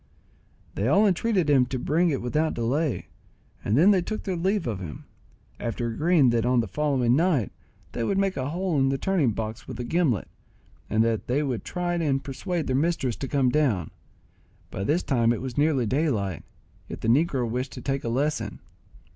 They all entreated him to bring it without delay, and then they took their leave of him, after agreeing that on the following night they would make a hole in the turning box with a gimlet, and that they would try and persuade their mistress to come down. By this time it was nearly daylight, yet the negro wished to take a lesson.